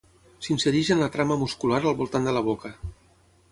S'insereix en la trama muscular al voltant de la boca.